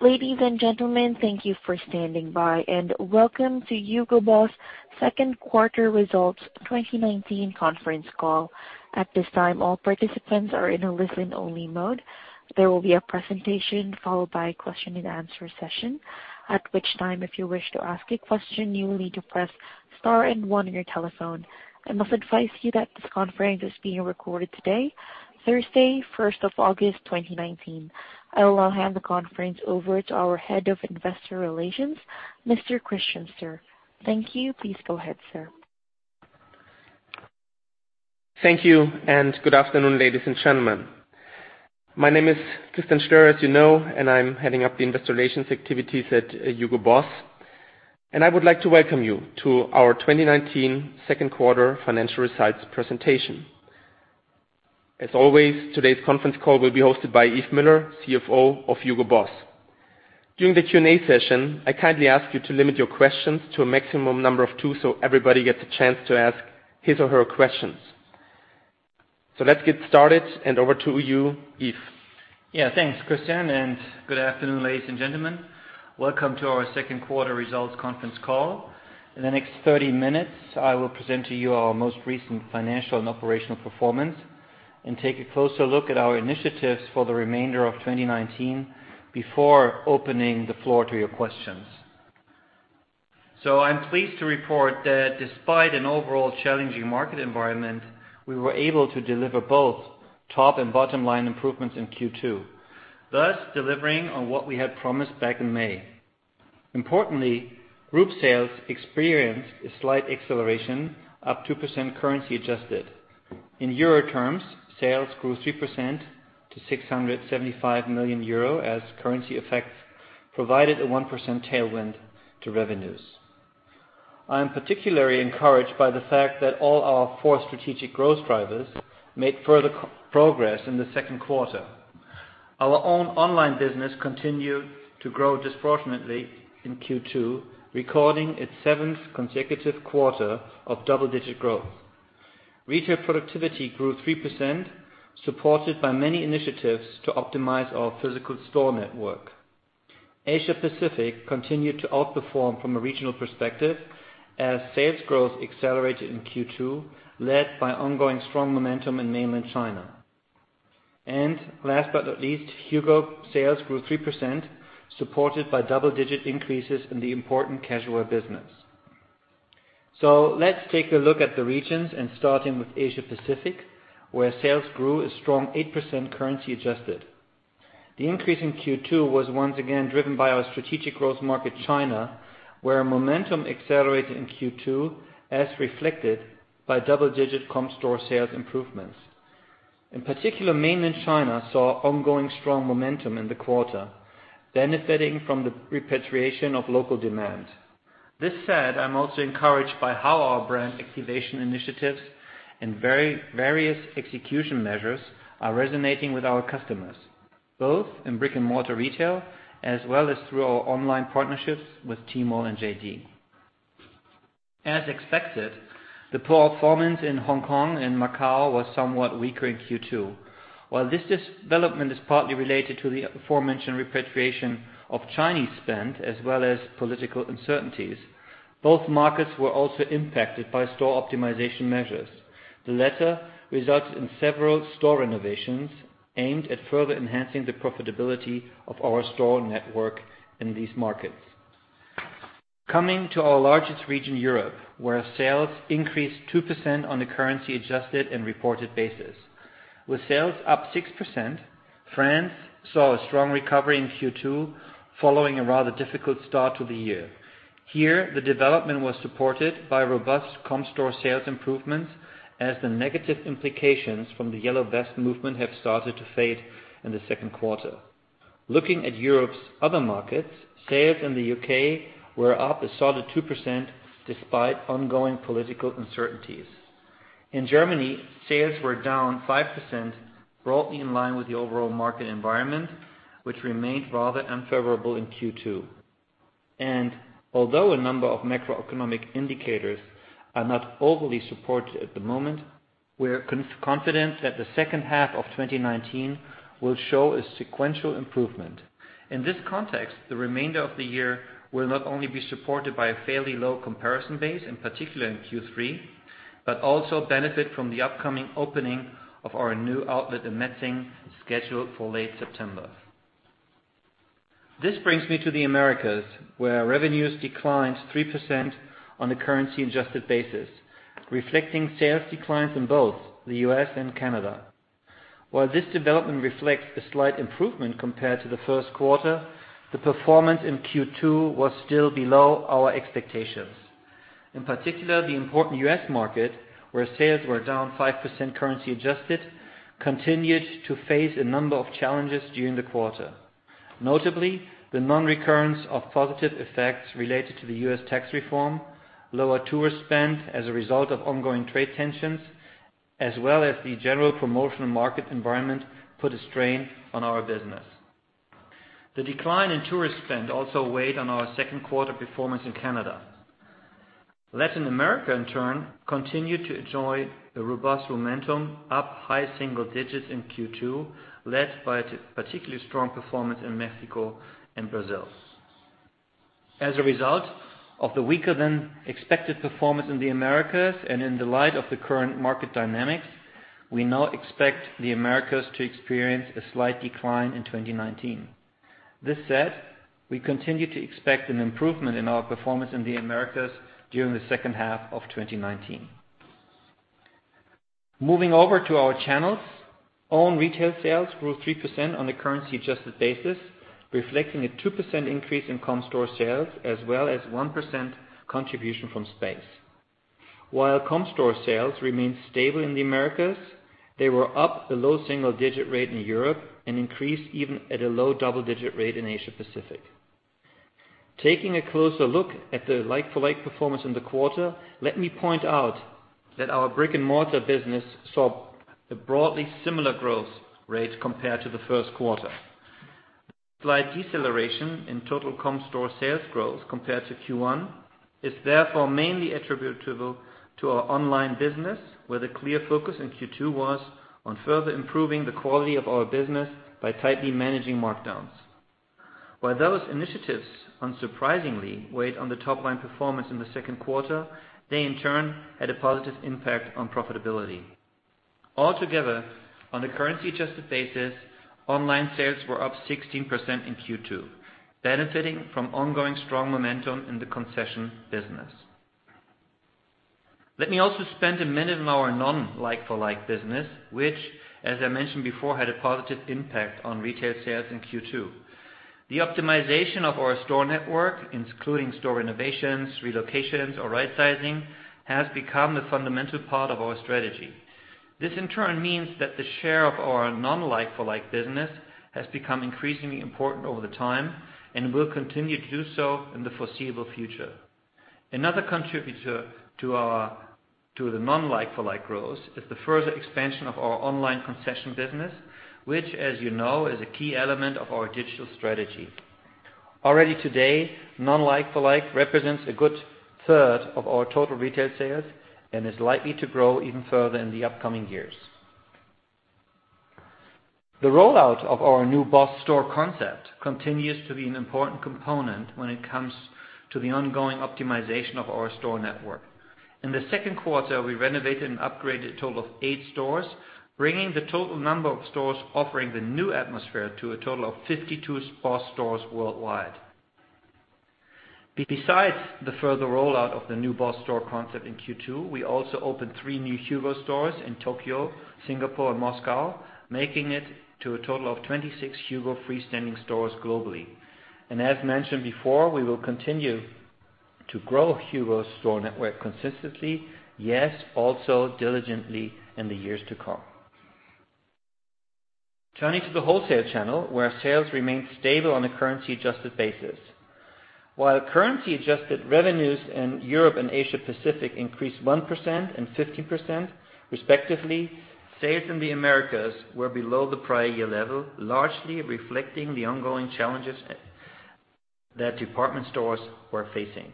Ladies and gentlemen, thank you for standing by, and welcome to Hugo Boss Second Quarter Results 2019 conference call. At this time, all participants are in a listen-only mode. There will be a presentation followed by question and answer session. At which time if you wish to ask a question, you will need to press Star and One on your telephone. I must advise you that this conference is being recorded today, Thursday, 1st of August 2019. I will now hand the conference over to our Head of Investor Relations, Mr. Christian Stoehr. Thank you. Please go ahead, sir. Thank you. Good afternoon, ladies and gentlemen. My name is Christian Stoehr, as you know, and I'm heading up the investor relations activities at Hugo Boss. I would like to welcome you to our 2019 second quarter financial results presentation. As always, today's conference call will be hosted by Yves Müller, CFO of Hugo Boss. During the Q&A session, I kindly ask you to limit your questions to a maximum number of two so everybody gets a chance to ask his or her questions. Let's get started and over to you, Yves. Yeah, thanks, Christian, and good afternoon, ladies and gentlemen. Welcome to our second quarter results conference call. In the next 30 minutes, I will present to you our most recent financial and operational performance and take a closer look at our initiatives for the remainder of 2019 before opening the floor to your questions. I'm pleased to report that despite an overall challenging market environment, we were able to deliver both top and bottom-line improvements in Q2, thus delivering on what we had promised back in May. Importantly, group sales experienced a slight acceleration, up 2% currency adjusted. In EUR terms, sales grew 3% to 675 million euro as currency effects provided a 1% tailwind to revenues. I am particularly encouraged by the fact that all our four strategic growth drivers made further progress in the second quarter. Our own online business continued to grow disproportionately in Q2, recording its seventh consecutive quarter of double-digit growth. Retail productivity grew 3%, supported by many initiatives to optimize our physical store network. Asia Pacific continued to outperform from a regional perspective as sales growth accelerated in Q2, led by ongoing strong momentum in mainland China. Last but not least, HUGO sales grew 3%, supported by double-digit increases in the important casual wear business. Let's take a look at the regions and starting with Asia Pacific, where sales grew a strong 8% currency adjusted. The increase in Q2 was once again driven by our strategic growth market, China, where momentum accelerated in Q2, as reflected by double-digit comp store sales improvements. In particular, mainland China saw ongoing strong momentum in the quarter, benefiting from the repatriation of local demand. This said, I'm also encouraged by how our brand activation initiatives and various execution measures are resonating with our customers, both in brick-and-mortar retail as well as through our online partnerships with Tmall and JD.com. As expected, the poor performance in Hong Kong and Macau was somewhat weaker in Q2. While this development is partly related to the aforementioned repatriation of Chinese spend as well as political uncertainties, both markets were also impacted by store optimization measures. The latter resulted in several store renovations aimed at further enhancing the profitability of our store network in these markets. Coming to our largest region, Europe, where sales increased 2% on the currency adjusted and reported basis. With sales up 6%, France saw a strong recovery in Q2 following a rather difficult start to the year. Here, the development was supported by robust comp store sales improvements as the negative implications from the yellow vest movement have started to fade in the second quarter. Looking at Europe's other markets, sales in the U.K. were up a solid 2% despite ongoing political uncertainties. In Germany, sales were down 5%, broadly in line with the overall market environment, which remained rather unfavorable in Q2. Although a number of macroeconomic indicators are not overly supported at the moment, we're confident that the second half of 2019 will show a sequential improvement. In this context, the remainder of the year will not only be supported by a fairly low comparison base, in particular in Q3, but also benefit from the upcoming opening of our new outlet in Metzingen, scheduled for late September. This brings me to the Americas, where revenues declined 3% on a currency adjusted basis, reflecting sales declines in both the U.S. and Canada. While this development reflects a slight improvement compared to the first quarter, the performance in Q2 was still below our expectations. In particular, the important U.S. market, where sales were down 5% currency adjusted, continued to face a number of challenges during the quarter. Notably, the non-recurrence of positive effects related to the U.S. tax reform, lower tourist spend as a result of ongoing trade tensions, as well as the general promotional market environment put a strain on our business. The decline in tourist spend also weighed on our second quarter performance in Canada. Latin America in turn, continued to enjoy a robust momentum, up high single digits in Q2, led by particularly strong performance in Mexico and Brazil. As a result of the weaker than expected performance in the Americas and in the light of the current market dynamics, we now expect the Americas to experience a slight decline in 2019. This said, we continue to expect an improvement in our performance in the Americas during the second half of 2019. Moving over to our channels. Own retail sales grew 3% on a currency adjusted basis, reflecting a 2% increase in comp store sales, as well as 1% contribution from space. While comp store sales remained stable in the Americas, they were up a low single-digit rate in Europe and increased even at a low double-digit rate in Asia Pacific. Taking a closer look at the like-for-like performance in the quarter, let me point out that our brick-and-mortar business saw a broadly similar growth rate compared to the first quarter. Slight deceleration in total comp store sales growth compared to Q1 is therefore mainly attributable to our online business, where the clear focus in Q2 was on further improving the quality of our business by tightly managing markdowns. While those initiatives unsurprisingly weighed on the top-line performance in the second quarter, they in turn had a positive impact on profitability. Altogether, on a currency adjusted basis, online sales were up 16% in Q2, benefiting from ongoing strong momentum in the concession business. Let me also spend a minute on our non-like-for-like business, which as I mentioned before, had a positive impact on retail sales in Q2. The optimization of our store network, including store renovations, relocations, or rightsizing, has become a fundamental part of our strategy. This in turn means that the share of our non-like-for-like business has become increasingly important over the time and will continue to do so in the foreseeable future. Another contributor to the non-like-for-like growth is the further expansion of our online concession business, which as you know, is a key element of our digital strategy. Already today, non-like-for-like represents a good third of our total retail sales and is likely to grow even further in the upcoming years. The rollout of our new BOSS store concept continues to be an important component when it comes to the ongoing optimization of our store network. In the second quarter, we renovated and upgraded a total of eight stores, bringing the total number of stores offering the new atmosphere to a total of 52 BOSS stores worldwide. Besides the further rollout of the new BOSS store concept in Q2, we also opened three new HUGO stores in Tokyo, Singapore and Moscow, making it to a total of 26 HUGO freestanding stores globally. As mentioned before, we will continue to grow HUGO store network consistently, yes, also diligently in the years to come. Turning to the wholesale channel, where sales remained stable on a currency adjusted basis. While currency adjusted revenues in Europe and Asia Pacific increased 1% and 15% respectively, sales in the Americas were below the prior year level, largely reflecting the ongoing challenges that department stores were facing.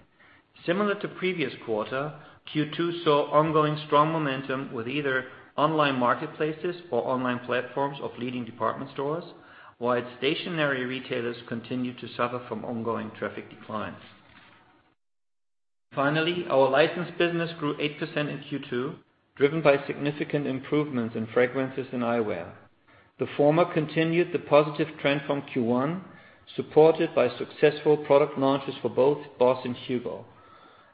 Similar to previous quarter, Q2 saw ongoing strong momentum with either online marketplaces or online platforms of leading department stores. While stationary retailers continued to suffer from ongoing traffic declines. Finally, our license business grew 8% in Q2, driven by significant improvements in fragrances and eyewear. The former continued the positive trend from Q1, supported by successful product launches for both BOSS and HUGO.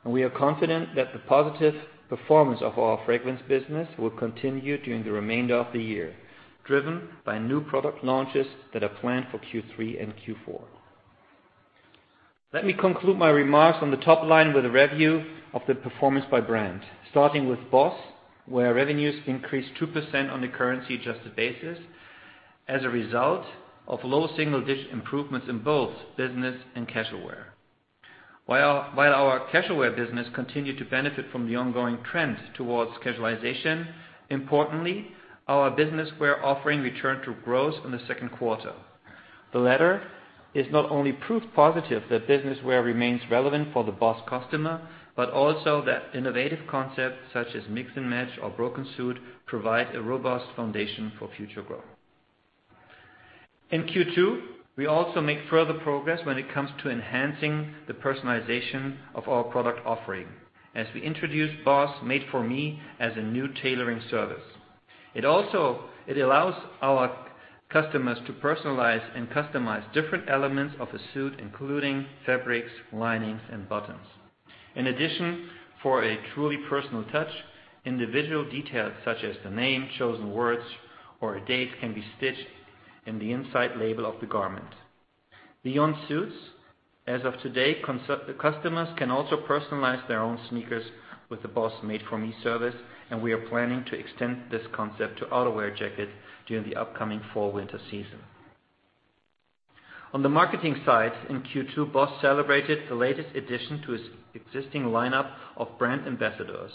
We are confident that the positive performance of our fragrance business will continue during the remainder of the year, driven by new product launches that are planned for Q3 and Q4. Let me conclude my remarks on the top line with a review of the performance by brand. Starting with BOSS, where revenues increased 2% on a currency-adjusted basis as a result of low single-digit improvements in both business and casual wear. While our casual wear business continued to benefit from the ongoing trend towards casualization, importantly, our business wear offering returned to growth in the second quarter. The latter is not only proof positive that business wear remains relevant for the BOSS customer, but also that innovative concepts such as Mix and Match or broken suit provide a robust foundation for future growth. In Q2, we also make further progress when it comes to enhancing the personalization of our product offering, as we introduced BOSS Made to Measure as a new tailoring service. It allows our customers to personalize and customize different elements of a suit, including fabrics, linings, and buttons. In addition, for a truly personal touch, individual details such as the name, chosen words, or a date can be stitched in the inside label of the garment. Beyond suits, as of today, customers can also personalize their own sneakers with the BOSS Made to Measure service, and we are planning to extend this concept to outerwear jackets during the upcoming fall-winter season. On the marketing side in Q2, BOSS celebrated the latest addition to its existing lineup of brand ambassadors,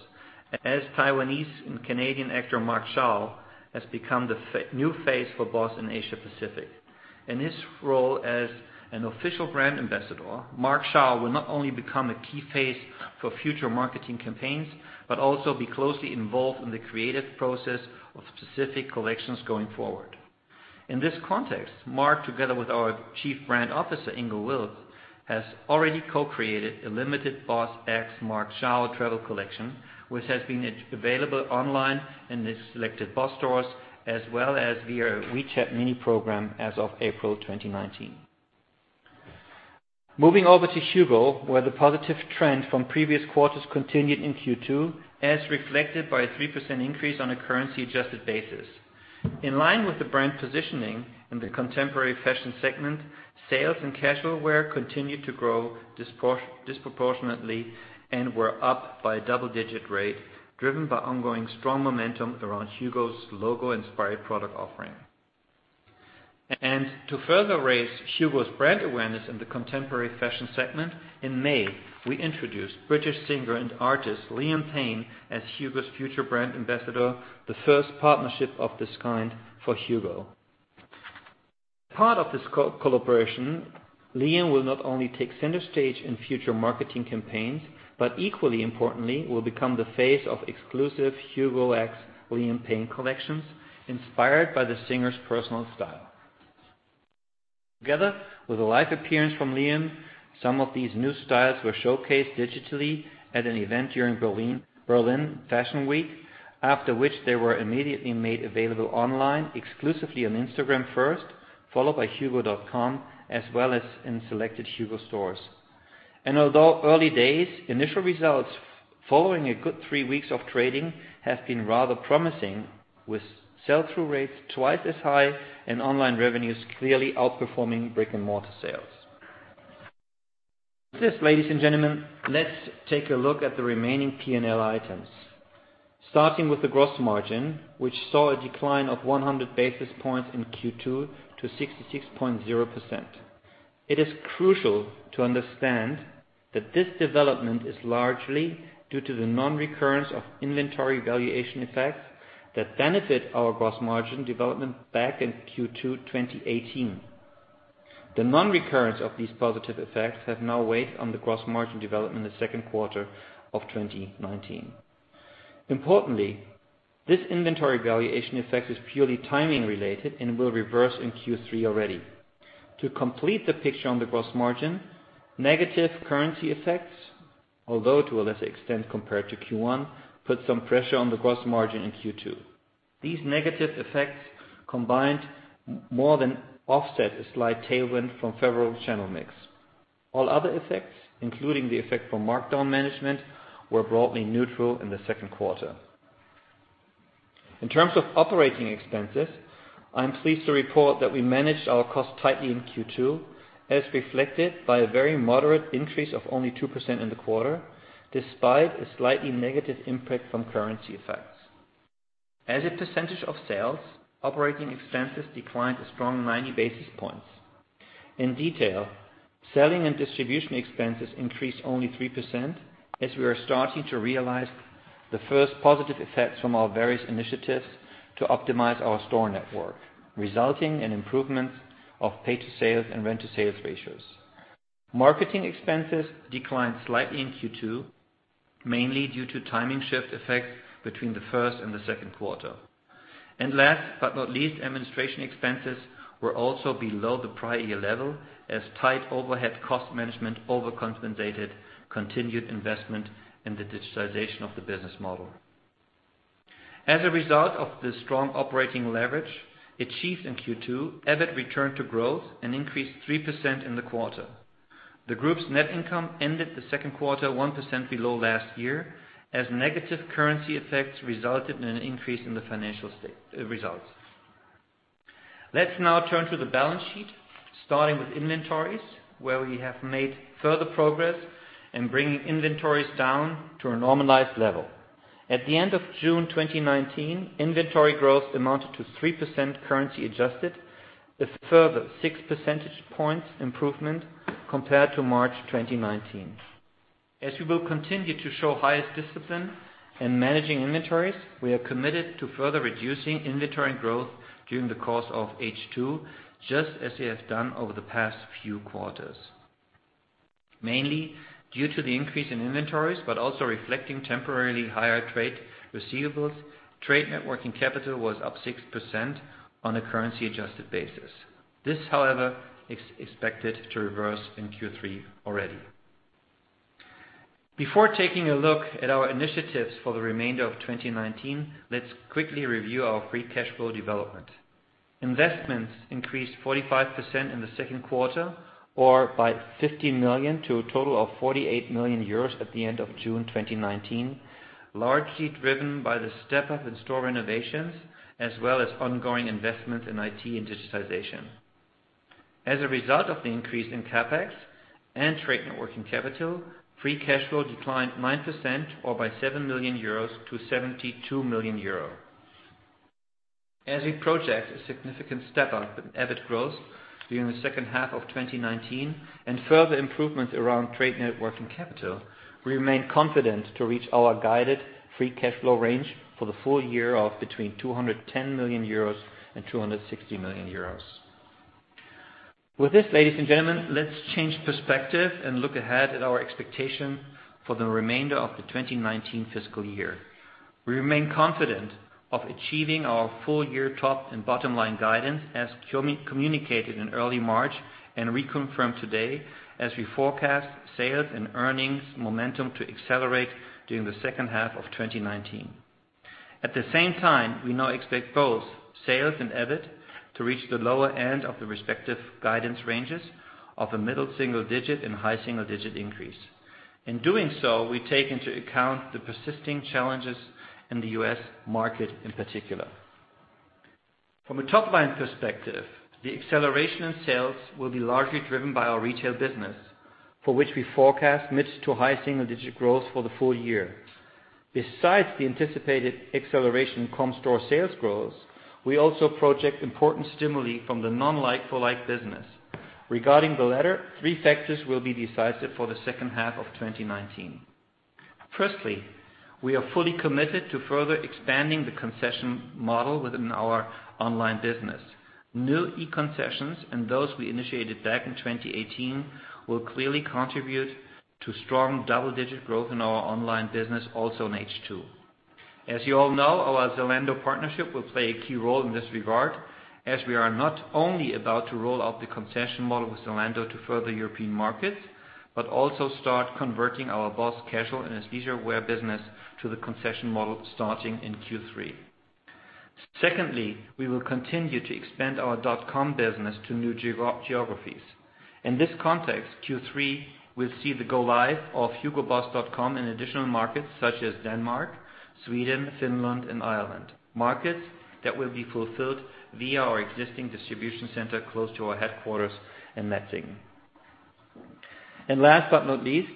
as Taiwanese and Canadian actor Mark Chao has become the new face for BOSS in Asia Pacific. In his role as an official brand ambassador, Mark Chao will not only become a key face for future marketing campaigns, but also be closely involved in the creative process of specific collections going forward. In this context, Mark, together with our Chief Brand Officer, Ingo Wilts, has already co-created a limited BOSS x Mark Chao travel collection, which has been available online in these selected BOSS stores, as well as via WeChat Mini Program as of April 2019. Moving over to HUGO, where the positive trend from previous quarters continued in Q2, as reflected by a 3% increase on a currency adjusted basis. In line with the brand positioning in the contemporary fashion segment, sales and casual wear continued to grow disproportionately and were up by a double-digit rate, driven by ongoing strong momentum around HUGO's logo-inspired product offering. To further raise HUGO's brand awareness in the contemporary fashion segment, in May, we introduced British singer and artist, Liam Payne, as HUGO's future brand ambassador, the first partnership of this kind for HUGO. Part of this collaboration, Liam will not only take center stage in future marketing campaigns, but equally importantly, will become the face of exclusive HUGO x Liam Payne collections, inspired by the singer's personal style. Together with a live appearance from Liam, some of these new styles were showcased digitally at an event during Berlin Fashion Week, after which they were immediately made available online, exclusively on Instagram first, followed by hugoboss.com, as well as in selected HUGO stores. Although early days, initial results following a good three weeks of trading, have been rather promising, with sell-through rates twice as high and online revenues clearly outperforming brick-and-mortar sales. With this, ladies and gentlemen, let's take a look at the remaining P&L items. Starting with the gross margin, which saw a decline of 100 basis points in Q2 to 66.0%. It is crucial to understand that this development is largely due to the non-recurrence of inventory valuation effects that benefit our gross margin development back in Q2 2018. The non-recurrence of these positive effects have now weighed on the gross margin development in the second quarter of 2019. Importantly, this inventory valuation effect is purely timing related and will reverse in Q3 already. To complete the picture on the gross margin, negative currency effects, although to a lesser extent compared to Q1, put some pressure on the gross margin in Q2. These negative effects combined more than offset a slight tailwind from favorable channel mix. All other effects, including the effect from markdown management, were broadly neutral in the second quarter. In terms of operating expenses, I'm pleased to report that we managed our cost tightly in Q2, as reflected by a very moderate increase of only 2% in the quarter, despite a slightly negative impact from currency effects. As a percentage of sales, operating expenses declined a strong 90 basis points. In detail, selling and distribution expenses increased only 3% as we are starting to realize the first positive effects from our various initiatives to optimize our store network, resulting in improvements of pay to sales and rent to sales ratios. Marketing expenses declined slightly in Q2, mainly due to timing shift effects between the first and the second quarter. Last but not least, administration expenses were also below the prior year level, as tight overhead cost management overcompensated continued investment in the digitization of the business model. As a result of the strong operating leverage achieved in Q2, EBIT returned to growth and increased 3% in the quarter. The group's net income ended the second quarter 1% below last year, as negative currency effects resulted in an increase in the financial results. Let's now turn to the balance sheet, starting with inventories, where we have made further progress in bringing inventories down to a normalized level. At the end of June 2019, inventory growth amounted to 3% currency adjusted, a further six percentage points improvement compared to March 2019. As we will continue to show highest discipline in managing inventories, we are committed to further reducing inventory growth during the course of H2, just as we have done over the past few quarters. Mainly due to the increase in inventories, but also reflecting temporarily higher trade receivables, trade net working capital was up 6% on a currency adjusted basis. This, however, is expected to reverse in Q3 already. Before taking a look at our initiatives for the remainder of 2019, let's quickly review our free cash flow development. Investments increased 45% in the second quarter, or by 50 million to a total of 48 million euros at the end of June 2019, largely driven by the step up in store renovations as well as ongoing investments in IT and digitization. As a result of the increase in CapEx and trade net working capital, free cash flow declined 9%, or by 7 million euros to 72 million euros. As we project a significant step up in EBIT growth during the second half of 2019 and further improvements around trade net working capital, we remain confident to reach our guided free cash flow range for the full year of between 210 million euros and 260 million euros. With this, ladies and gentlemen, let's change perspective and look ahead at our expectation for the remainder of the 2019 fiscal year. We remain confident of achieving our full year top and bottom-line guidance as communicated in early March and reconfirmed today as we forecast sales and earnings momentum to accelerate during the second half of 2019. At the same time, we now expect both sales and EBIT to reach the lower end of the respective guidance ranges of the middle single digit and high single-digit increase. In doing so, we take into account the persisting challenges in the U.S. market in particular. From a top-line perspective, the acceleration in sales will be largely driven by our retail business, for which we forecast mid to high single-digit growth for the full year. Besides the anticipated acceleration comp store sales growth, we also project important stimuli from the non-like-for-like business. Regarding the latter, three factors will be decisive for the second half of 2019. Firstly, we are fully committed to further expanding the concession model within our online business. New e-concessions and those we initiated back in 2018 will clearly contribute to strong double-digit growth in our online business also in H2. As you all know, our Zalando partnership will play a key role in this regard as we are not only about to roll out the concession model with Zalando to further European markets, but also start converting our BOSS casual and leisure wear business to the concession model starting in Q3. Secondly, we will continue to expand our dot-com business to new geographies. In this context, Q3 will see the go-live of hugoboss.com in additional markets such as Denmark, Sweden, Finland, and Ireland, markets that will be fulfilled via our existing distribution center close to our headquarters in Metzingen. Last but not least,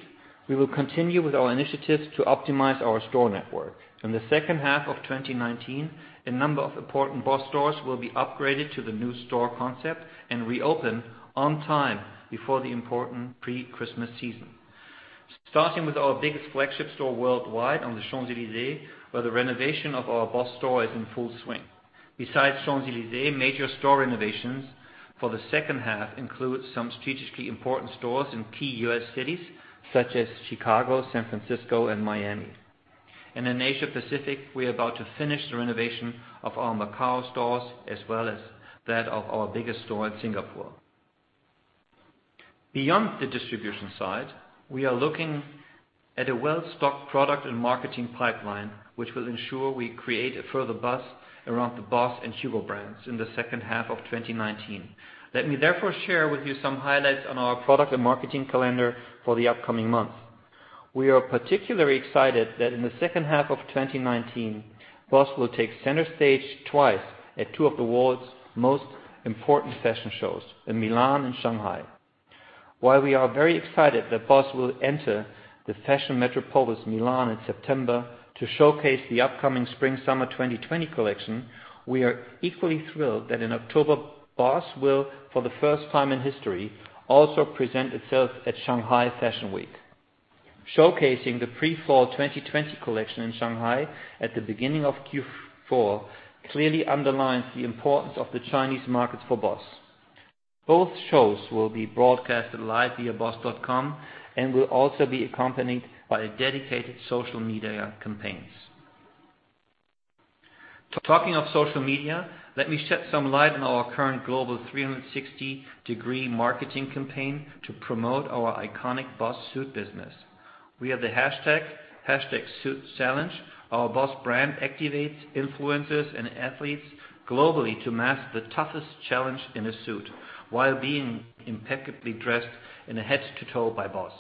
we will continue with our initiatives to optimize our store network. In the second half of 2019, a number of important BOSS stores will be upgraded to the new store concept and reopen on time before the important pre-Christmas season. Starting with our biggest flagship store worldwide on the Champs-Élysées, where the renovation of our BOSS store is in full swing. Besides Champs-Élysées, major store renovations for the second half include some strategically important stores in key U.S. cities such as Chicago, San Francisco, and Miami. In Asia Pacific, we are about to finish the renovation of our Macau stores as well as that of our biggest store in Singapore. Beyond the distribution side, we are looking at a well-stocked product and marketing pipeline, which will ensure we create a further buzz around the BOSS and HUGO brands in the second half of 2019. Let me therefore share with you some highlights on our product and marketing calendar for the upcoming months. We are particularly excited that in the second half of 2019, BOSS will take center stage twice at two of the world's most important fashion shows, in Milan and Shanghai. While we are very excited that BOSS will enter the fashion metropolis Milan in September to showcase the upcoming spring/summer 2020 collection, we are equally thrilled that in October, BOSS will, for the first time in history, also present itself at Shanghai Fashion Week. Showcasing the pre-fall 2020 collection in Shanghai at the beginning of Q4 clearly underlines the importance of the Chinese market for BOSS. Both shows will be broadcasted live via boss.com and will also be accompanied by dedicated social media campaigns. Talking of social media, let me shed some light on our current global 360-degree marketing campaign to promote our iconic BOSS suit business. We have the hashtag, #SuitChallenge. Our BOSS brand activates influencers and athletes globally to master the toughest challenge in a suit while being impeccably dressed head to toe by BOSS.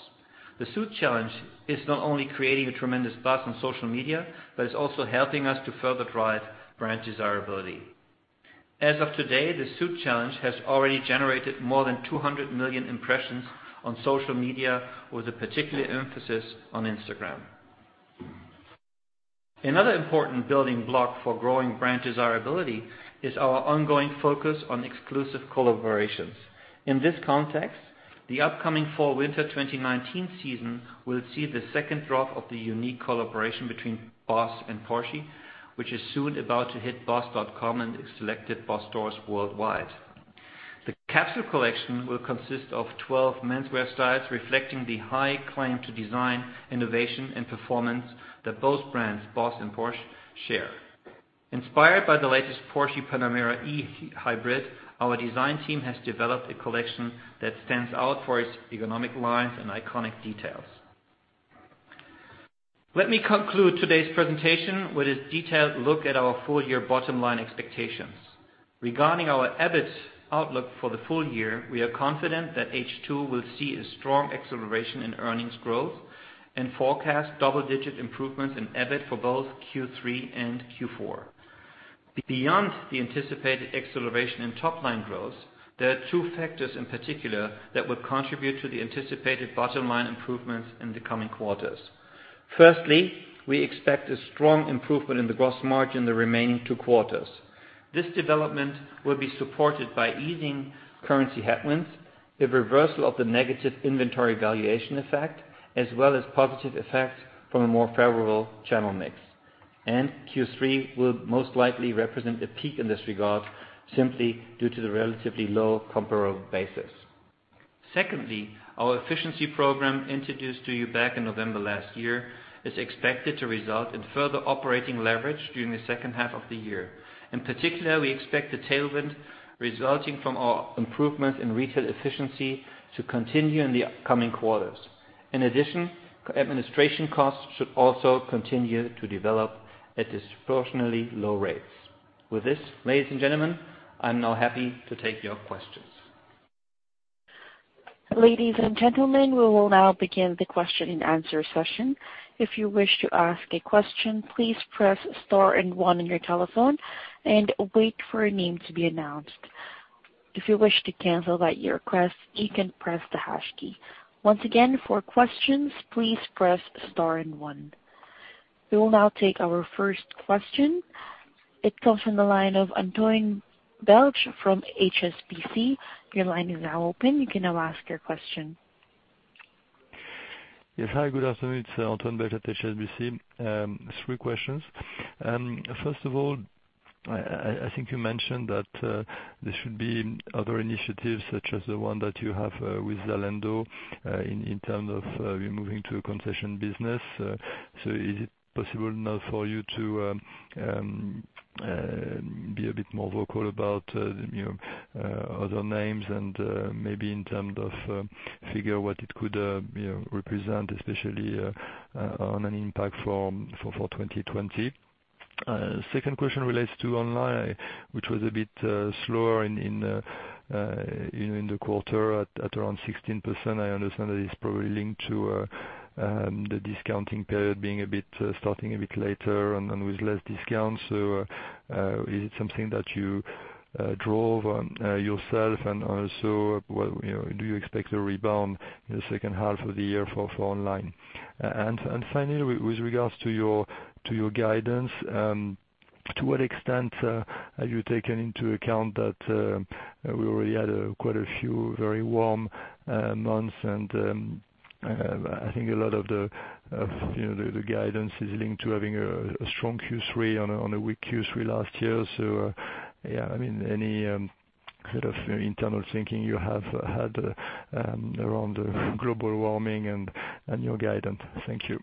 The Suit Challenge is not only creating a tremendous buzz on social media, but it's also helping us to further drive brand desirability. As of today, the Suit Challenge has already generated more than 200 million impressions on social media, with a particular emphasis on Instagram. Another important building block for growing brand desirability is our ongoing focus on exclusive collaborations. In this context, the upcoming fall/winter 2019 season will see the second drop of the unique collaboration between BOSS and Porsche, which is soon about to hit boss.com and selected BOSS stores worldwide. The capsule collection will consist of 12 menswear styles reflecting the high claim to design, innovation, and performance that both brands, BOSS and Porsche, share. Inspired by the latest Porsche Panamera E-Hybrid, our design team has developed a collection that stands out for its ergonomic lines and iconic details. Let me conclude today's presentation with a detailed look at our full-year bottom-line expectations. Regarding our EBIT outlook for the full year, we are confident that H2 will see a strong acceleration in earnings growth and forecast double-digit improvements in EBIT for both Q3 and Q4. Beyond the anticipated acceleration in top-line growth, there are two factors in particular that will contribute to the anticipated bottom-line improvements in the coming quarters. Firstly, we expect a strong improvement in the gross margin in the remaining two quarters. This development will be supported by easing currency headwinds, a reversal of the negative inventory valuation effect, as well as positive effect from a more favorable channel mix. Q3 will most likely represent a peak in this regard, simply due to the relatively low comparable basis. Secondly, our efficiency program introduced to you back in November last year is expected to result in further operating leverage during the second half of the year. In particular, we expect the tailwind resulting from our improvement in retail efficiency to continue in the upcoming quarters. In addition, administration costs should also continue to develop at disproportionally low rates. With this, ladies and gentlemen, I am now happy to take your questions. Ladies and gentlemen, we will now begin the question and answer session. If you wish to ask a question, please press star and one on your telephone and wait for your name to be announced. If you wish to cancel that request, you can press the hash key. Once again, for questions, please press star and one. We will now take our first question. It comes from the line of Antoine Belge from HSBC. Your line is now open. You can now ask your question. Yes. Hi, good afternoon. It's Antoine Belge at HSBC. Three questions. First of all, I think you mentioned that there should be other initiatives such as the one that you have with Zalando, in terms of you moving to a concession business. Is it possible now for you to be a bit more vocal about other names and maybe in terms of figure, what it could represent, especially on an impact for 2020? Second question relates to online, which was a bit slower in the quarter at around 16%. I understand that it's probably linked to the discounting period starting a bit later and with less discounts. Is it something that you drove yourself and also, do you expect a rebound in the second half of the year for online? Finally, with regards to your guidance, to what extent have you taken into account that we already had quite a few very warm months and I think a lot of the guidance is linked to having a strong Q3 on a weak Q3 last year. Any sort of internal thinking you have had around global warming and your guidance? Thank you.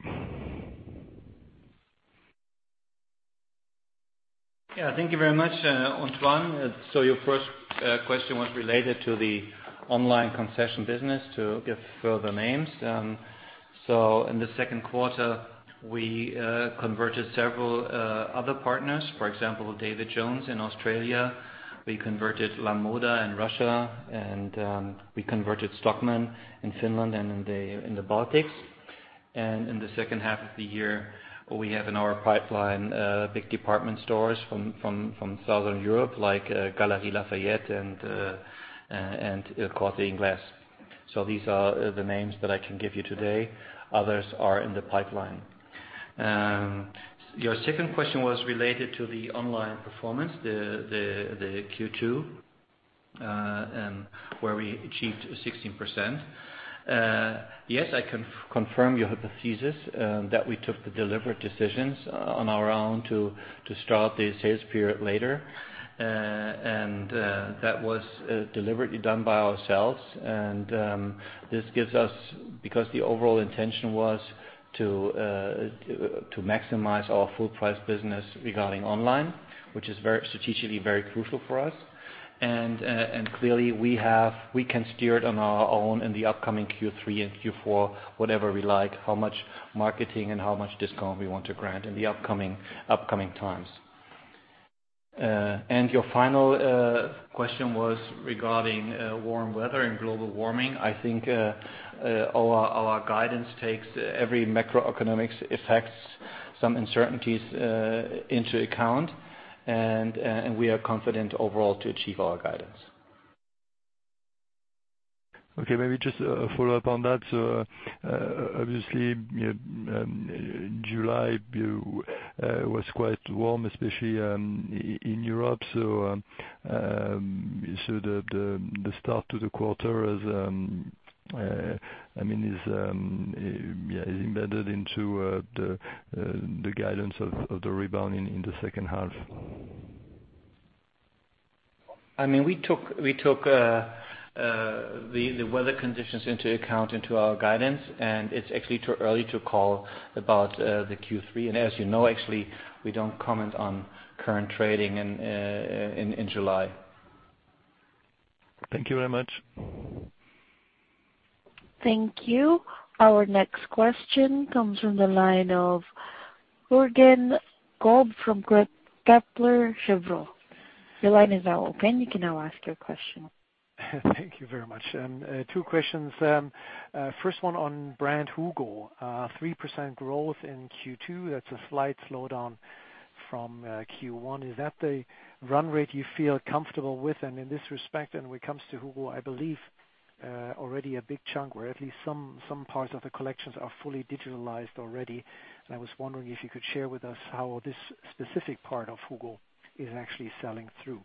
Yeah. Thank you very much, Antoine. Your first question was related to the online concession business to give further names. In the second quarter we converted several other partners. For example, David Jones in Australia. We converted Lamoda in Russia, and we converted Stockmann in Finland and in the Baltics. In the second half of the year we have in our pipeline, big department stores from Southern Europe like Galeries Lafayette and El Corte Inglés. These are the names that I can give you today. Others are in the pipeline. Your second question was related to the online performance, the Q2, where we achieved 16%. Yes, I can confirm your hypothesis that we took the deliberate decisions on our own to start the sales period later. That was deliberately done by ourselves. This gives us, because the overall intention was to maximize our full price business regarding online, which is strategically very crucial for us. Clearly we can steer it on our own in the upcoming Q3 and Q4, whatever we like, how much marketing and how much discount we want to grant in the upcoming times. Your final question was regarding warm weather and global warming. I think our guidance takes every macroeconomic effects, some uncertainties into account and we are confident overall to achieve our guidance. Okay. Maybe just a follow-up on that. Obviously, July was quite warm, especially in Europe. The start to the quarter is embedded into the guidance of the rebound in the second half. We took the weather conditions into account into our guidance, and it's actually too early to call about the Q3. As you know, actually, we don't comment on current trading in July. Thank you very much. Thank you. Our next question comes from the line of Jürgen Kolb from Kepler Cheuvreux. Your line is now open. You can now ask your question. Thank you very much. Two questions. First one on brand HUGO. 3% growth in Q2, that's a slight slowdown from Q1. Is that the run rate you feel comfortable with? In this respect and when it comes to HUGO, I believe, already a big chunk or at least some parts of the collections are fully digitalized already. I was wondering if you could share with us how this specific part of HUGO is actually selling through.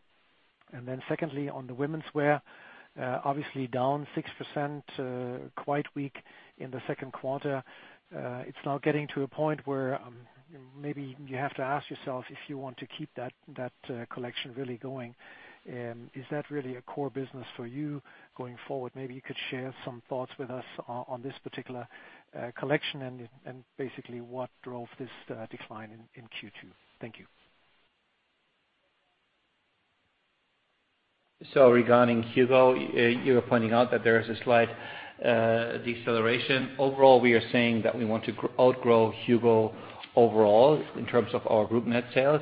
Secondly, on the womenswear, obviously down 6%, quite weak in the second quarter. It's now getting to a point where maybe you have to ask yourself if you want to keep that collection really going. Is that really a core business for you going forward? Maybe you could share some thoughts with us on this particular collection and basically what drove this decline in Q2. Thank you. Regarding HUGO, you're pointing out that there is a slight deceleration. Overall, we are saying that we want to outgrow HUGO overall in terms of our group net sales.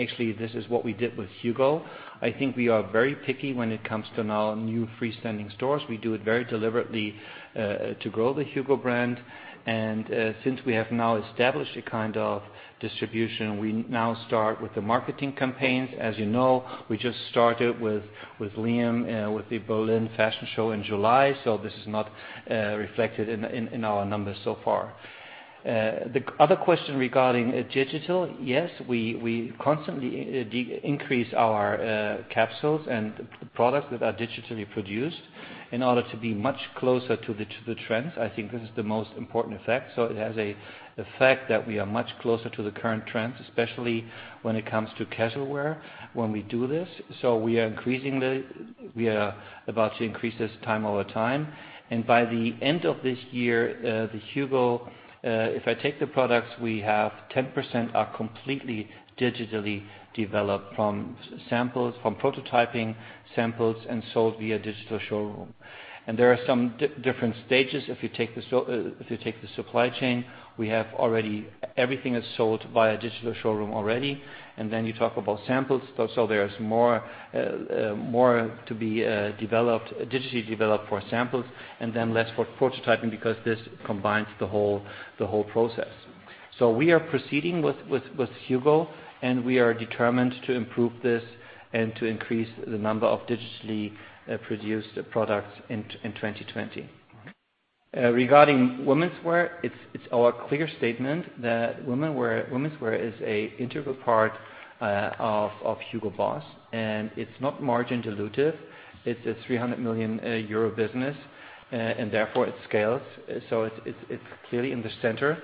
Actually, this is what we did with HUGO. I think we are very picky when it comes to now new freestanding stores. We do it very deliberately to grow the HUGO brand. Since we have now established a kind of distribution, we now start with the marketing campaigns. As you know, we just started with Liam with the Berlin Fashion show in July. This is not reflected in our numbers so far. The other question regarding digital. Yes, we constantly increase our capsules and the products that are digitally produced in order to be much closer to the trends. I think this is the most important effect. It has a effect that we are much closer to the current trends, especially when it comes to casual wear when we do this. We are about to increase this time over time. By the end of this year, the HUGO, if I take the products we have, 10% are completely digitally developed from prototyping samples and sold via digital showroom. There are some different stages if you take the supply chain, everything is sold via digital showroom already. Then you talk about samples. There is more to be digitally developed for samples and then less for prototyping because this combines the whole process. We are proceeding with HUGO, and we are determined to improve this and to increase the number of digitally produced products in 2020. Regarding womenswear, it's our clear statement that womenswear is an integral part of Hugo Boss, and it's not margin dilutive. It's a 300 million euro business. Therefore, it scales. It's clearly in the center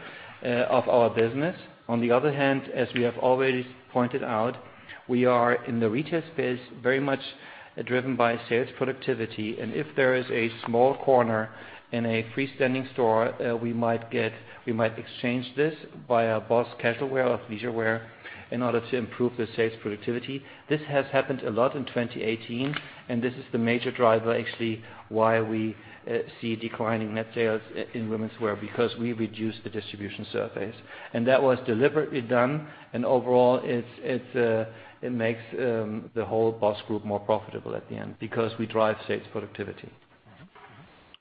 of our business. On the other hand, as we have always pointed out, we are in the retail space very much driven by sales productivity. If there is a small corner in a freestanding store, we might exchange this via BOSS casual wear or leisure wear in order to improve the sales productivity. This has happened a lot in 2018. This is the major driver actually why we see declining net sales in womenswear because we reduced the distribution services. That was deliberately done. Overall, it makes the whole Boss group more profitable at the end because we drive sales productivity.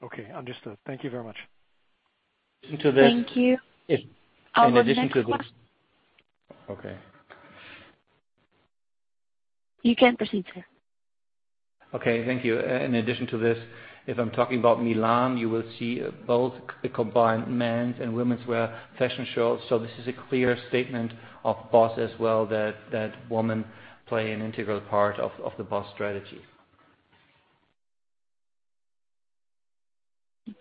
Okay, understood. Thank you very much. Thank you. Our next question. In addition to this- You can proceed, sir. Okay. Thank you. In addition to this, if I'm talking about Milan, you will see both the combined men's and womenswear fashion shows. This is a clear statement of BOSS as well that women play an integral part of the BOSS strategy.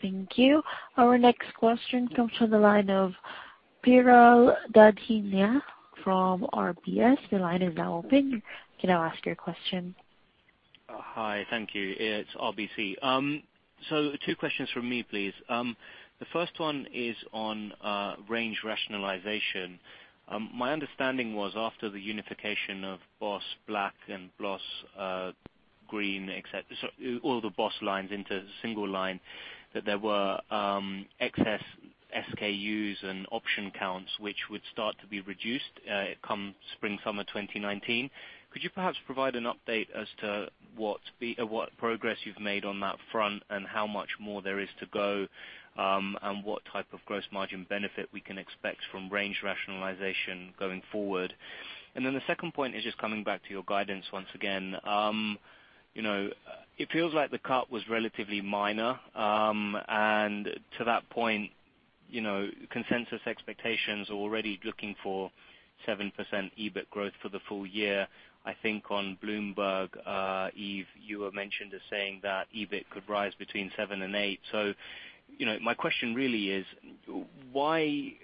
Thank you. Our next question comes from the line of Piral Dadhania from RBC. The line is now open. You can now ask your question. Hi. Thank you. It is RBC. Two questions from me, please. The first one is on range rationalization. My understanding was after the unification of BOSS Black and BOSS Green, all the BOSS lines into single line, that there were excess SKUs and option counts which would start to be reduced come spring, summer 2019. Could you perhaps provide an update as to what progress you have made on that front and how much more there is to go, and what type of gross margin benefit we can expect from range rationalization going forward? The second point is just coming back to your guidance once again. It feels like the cut was relatively minor. To that point, consensus expectations are already looking for 7% EBIT growth for the full year. I think on Bloomberg, Yves, you were mentioned as saying that EBIT could rise between 7% and 8%. My question really is why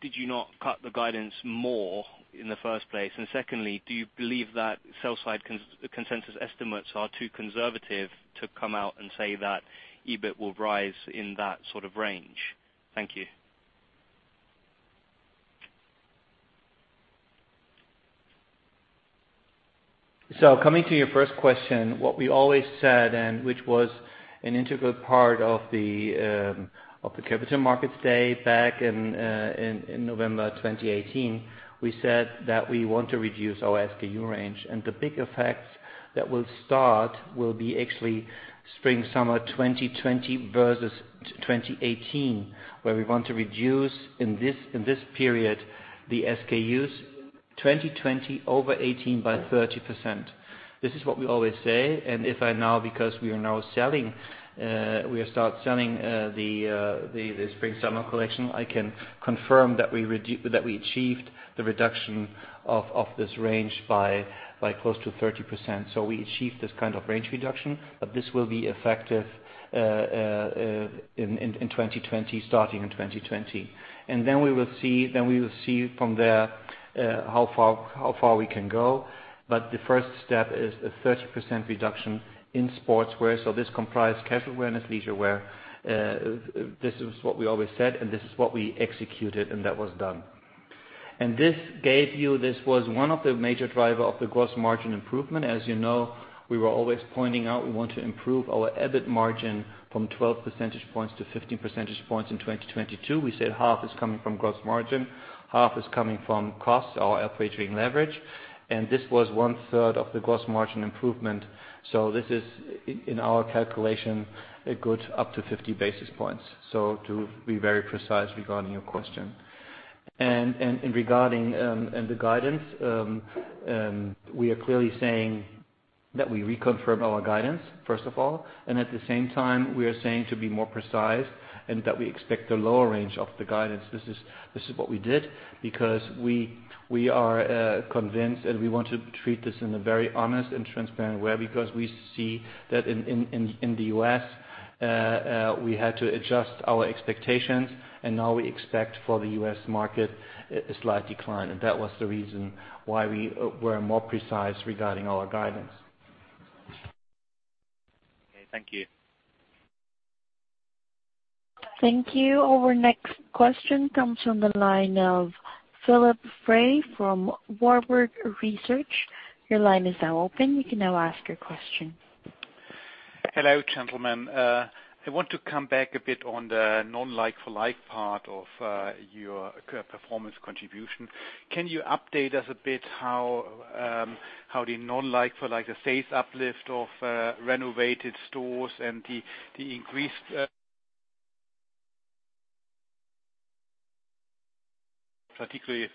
did you not cut the guidance more in the first place? Secondly, do you believe that sell side consensus estimates are too conservative to come out and say that EBIT will rise in that sort of range? Thank you. Coming to your first question, what we always said, and which was an integral part of the capital markets day back in November 2018, we said that we want to reduce our SKU range. The big effect that will start will be actually spring, summer 2020 versus 2018, where we want to reduce in this period the SKUs2020 over 18 by 30%. This is what we always say. If I now, because we have start selling the spring, summer collection, I can confirm that we achieved the reduction of this range by close to 30%. We achieved this kind of range reduction, but this will be effective in 2020, starting in 2020. We will see from there how far we can go. The first step is a 30% reduction in sportswear. This comprise casual wear and leisure wear. This is what we always said, and this is what we executed, and that was done. This was one of the major driver of the gross margin improvement. As you know, we were always pointing out we want to improve our EBIT margin from 12 percentage points to 15 percentage points in 2022. We said half is coming from gross margin, half is coming from costs, our operating leverage. This was one third of the gross margin improvement. This is, in our calculation, a good up to 50 basis points. To be very precise regarding your question. Regarding the guidance, we are clearly saying that we reconfirm our guidance, first of all. At the same time, we are saying to be more precise and that we expect the lower range of the guidance. This is what we did because we are convinced, and we want to treat this in a very honest and transparent way because we see that in the U.S. we had to adjust our expectations, and now we expect for the U.S. market a slight decline. That was the reason why we were more precise regarding our guidance. Okay, thank you. Thank you. Our next question comes from the line of Jörg Philipp Frey from Warburg Research. Your line is now open. You can now ask your question. Hello, gentlemen. I want to come back a bit on the non like-for-like part of your performance contribution. Can you update us a bit how the non like-for-like, the sales uplift of renovated stores and the increased particularly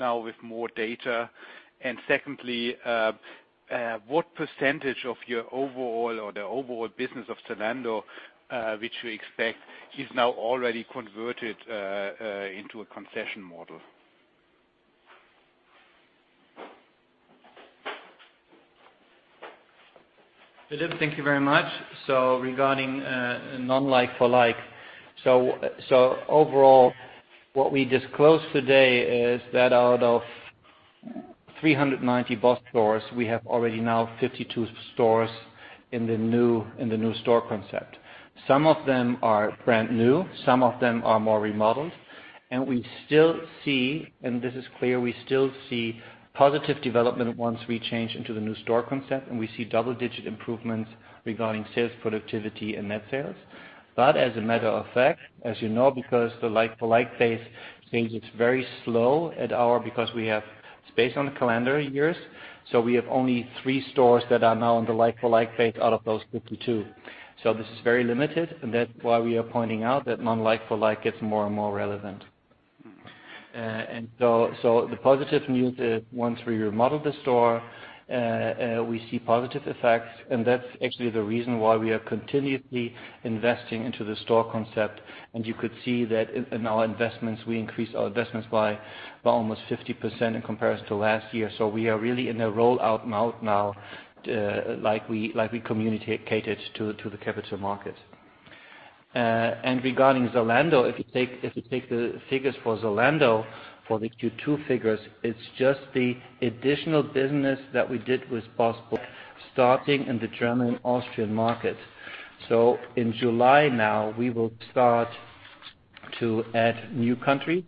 now with more data. Secondly, what percentage of your overall or the overall business of Zalando, which we expect is now already converted into a concession model? Philipp, thank you very much. Regarding non like-for-like. Overall, what we disclosed today is that out of 390 BOSS stores, we have already now 52 stores in the new store concept. Some of them are brand new, some of them are more remodeled. We still see, and this is clear, positive development once we change into the new store concept, and we see double-digit improvements regarding sales productivity and net sales. As a matter of fact, as you know, because the like-for-like phase means it's very slow because we have space on the calendar years. We have only three stores that are now on the like-for-like phase out of those 52. This is very limited, and that's why we are pointing out that non like-for-like gets more and more relevant. The positive news is once we remodel the store, we see positive effects, and that's actually the reason why we are continuously investing into the store concept. You could see that in our investments, we increased our investments by almost 50% in comparison to last year. We are really in a rollout mode now, like we communicated to the capital market. Regarding Zalando, if you take the figures for Zalando, for the Q2 figures, it's just the additional business that we did with BOSS starting in the German, Austrian market. In July now, we will start to add new country.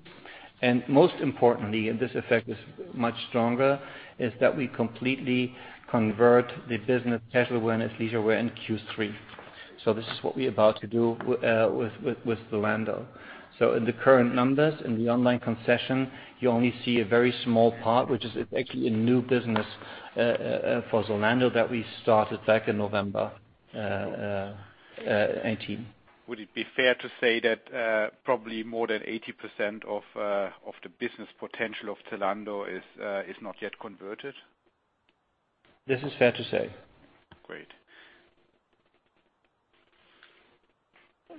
Most importantly, and this effect is much stronger, is that we completely convert the business casual wear and leisure wear in Q3. This is what we about to do with Zalando. In the current numbers, in the online concession, you only see a very small part, which is actually a new business for Zalando that we started back in November 2018. Would it be fair to say that probably more than 80% of the business potential of Zalando is not yet converted? This is fair to say. Great.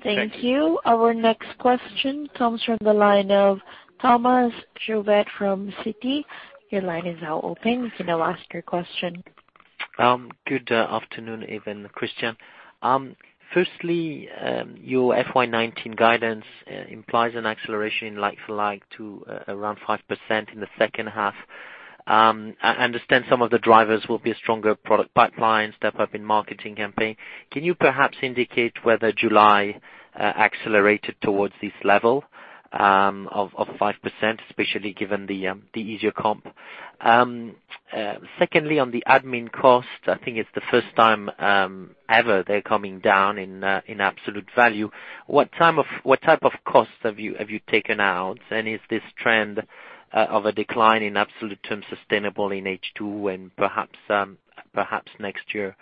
Thank you. Our next question comes from the line of Thomas Chauvet from Citi. Your line is now open. You can now ask your question. Good afternoon, Yves, Christian. Firstly, your FY 2019 guidance implies an acceleration in like-for-like to around 5% in the second half. I understand some of the drivers will be a stronger product pipeline, step up in marketing campaign. Can you perhaps indicate whether July accelerated towards this level of 5%, especially given the easier comp? Secondly, on the admin cost, I think it's the first time ever they're coming down in absolute value. What type of costs have you taken out, and is this trend of a decline in absolute terms sustainable in H2 and perhaps next year?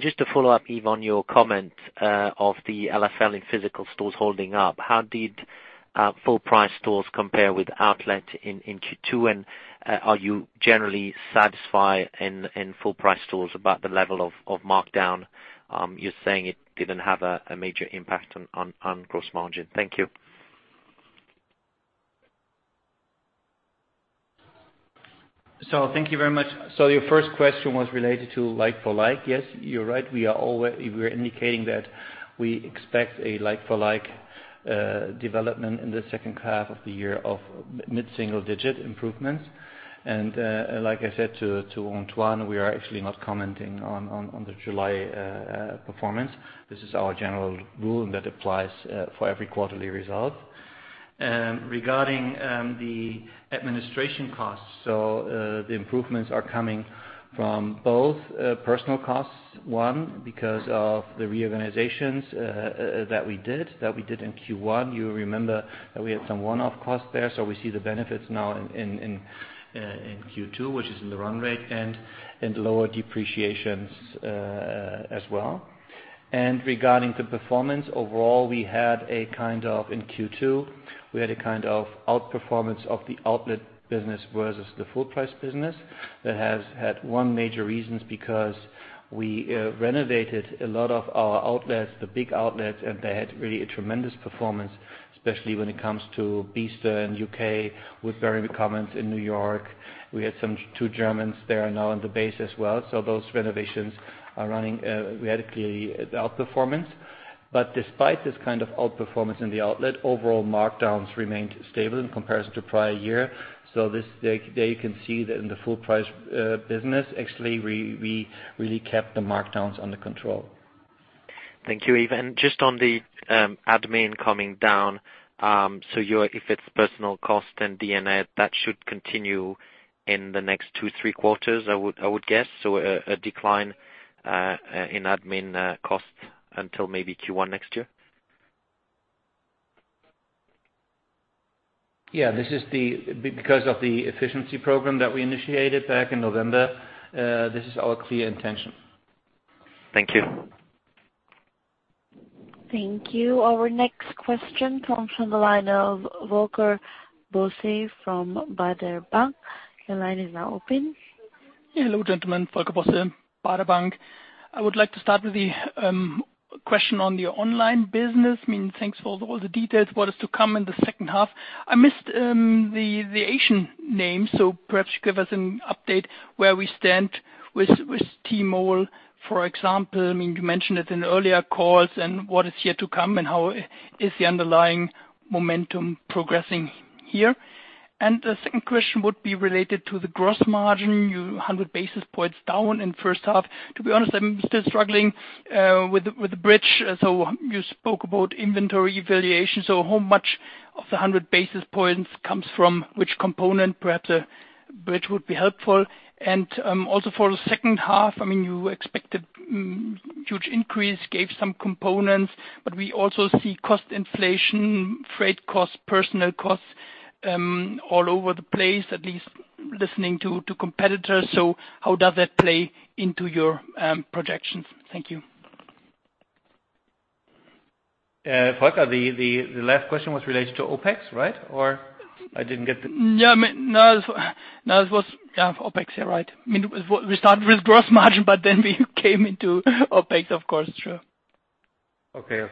Just to follow up, Yves, on your comment of the LFL in physical stores holding up. How did full price stores compare with outlet in Q2, and are you generally satisfied in full price stores about the level of markdown? You're saying it didn't have a major impact on gross margin. Thank you. Thank you very much. Your first question was related to like-for-like, yes? You're right, we are indicating that we expect a like-for-like development in the second half of the year of mid-single digit improvement. Like I said to Antoine, we are actually not commenting on the July performance. This is our general rule, that applies for every quarterly result. Regarding the administration costs. The improvements are coming from both personal costs. One, because of the reorganizations that we did in Q1. You remember that we had some one-off costs there, we see the benefits now in Q2, which is in the run rate and lower depreciations as well. Regarding the performance overall, in Q2, we had a kind of outperformance of the outlet business versus the full price business. That has had one major reason, because we renovated a lot of our outlets, the big outlets, and they had really a tremendous performance, especially when it comes to Bicester in the U.K., with very good comments in New York. We had some two Germans there now on the base as well. Those renovations are running radically outperformance. Despite this kind of outperformance in the outlet, overall markdowns remained stable in comparison to prior year. There you can see that in the full price business, actually, we really kept the markdowns under control. Thank you, Yves. Just on the admin coming down. If it's personal cost and D&A, that should continue in the next two, three quarters, I would guess? A decline in admin costs until maybe Q1 next year? Yeah. Because of the efficiency program that we initiated back in November, this is our clear intention. Thank you. Thank you. Our next question comes from the line of Volker Bosse from Baader Bank. The line is now open. Hello, gentlemen. Volker Bosse, Baader Bank. I would like to start with the question on your online business. Thanks for all the details, what is to come in the second half. I missed the Asian name, so perhaps you give us an update where we stand with Tmall, for example. You mentioned it in earlier calls and what is yet to come and how is the underlying momentum progressing here. The second question would be related to the gross margin, 100 basis points down in first half. To be honest, I'm still struggling with the bridge. You spoke about inventory valuation. How much of the 100 basis points comes from which component? Perhaps a bridge would be helpful. Also for the second half, you expected huge increase, gave some components, but we also see cost inflation, freight costs, personal costs all over the place, at least listening to competitors. How does that play into your projections? Thank you. Volker, the last question was related to OpEx, right? No. It was, yeah, OpEx, yeah, right. We started with gross margin, but then we came into OpEx, of course. True. Okay.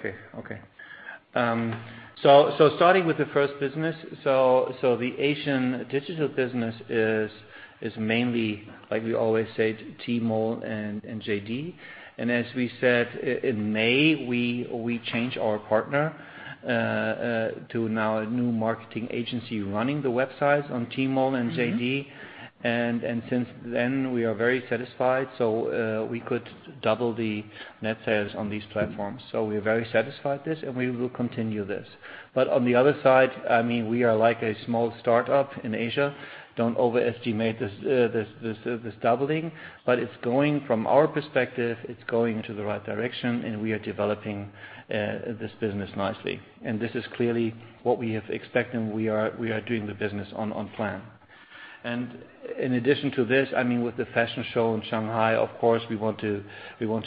Starting with the first business. The Asian digital business is mainly, like we always say, Tmall and JD.com. As we said, in May, we changed our partner to now a new marketing agency running the websites on Tmall and JD.com. Since then, we are very satisfied. We could double the net sales on these platforms. We are very satisfied with this, and we will continue this. On the other side, we are like a small startup in Asia. Don't overestimate this doubling. From our perspective, it's going into the right direction and we are developing this business nicely. This is clearly what we have expected and we are doing the business on plan. In addition to this, with the fashion show in Shanghai, of course, we want to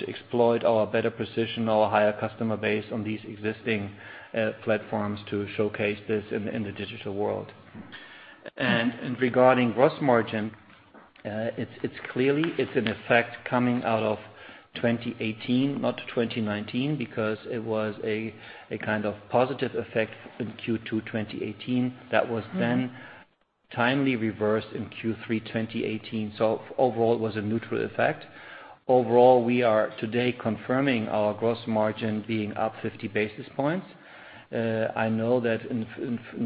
exploit our better position, our higher customer base on these existing platforms to showcase this in the digital world. Regarding gross margin, it's an effect coming out of 2018, not 2019, because it was a kind of positive effect in Q2 2018 that was then timely reversed in Q3 2018. Overall, it was a neutral effect. Overall, we are today confirming our gross margin being up 50 basis points. I know that in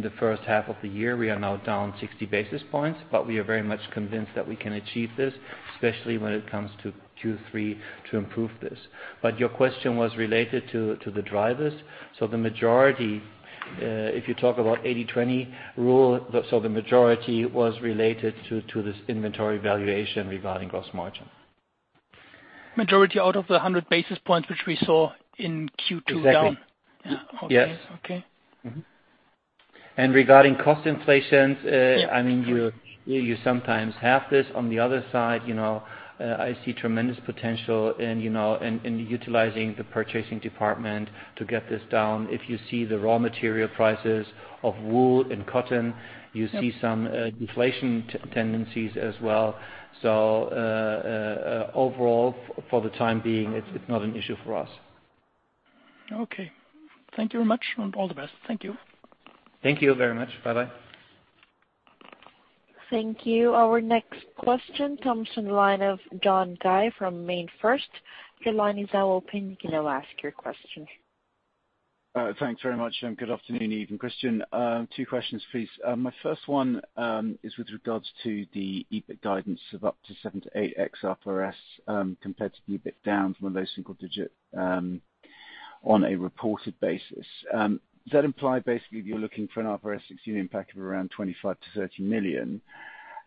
the first half of the year, we are now down 60 basis points, but we are very much convinced that we can achieve this, especially when it comes to Q3 to improve this. Your question was related to the drivers. The majority, if you talk about 80/20 rule, so the majority was related to this inventory valuation regarding gross margin. Majority out of the 100 basis points which we saw in Q2 down? Exactly. Yeah. Yes. Okay. Regarding cost inflations, you sometimes have this on the other side. I see tremendous potential in utilizing the purchasing department to get this down. If you see the raw material prices of wool and cotton. Yep You see some deflation tendencies as well. Overall, for the time being, it's not an issue for us. Okay. Thank you very much, and all the best. Thank you. Thank you very much. Bye-bye. Thank you. Our next question comes from the line of John Guy from MainFirst. Your line is now open. You can now ask your question. Thanks very much. Good afternoon, Yves and Christian. Two questions, please. My first one is with regards to the EBIT guidance of up to 7%-8% IFRS, compared to EBIT down from a low single digit on a reported basis. Does that imply basically that you're looking for an IFRS 16 impact of around 25 million-30 million?